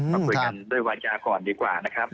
มาคุยกันด้วยวาจาก่อนดีกว่านะครับ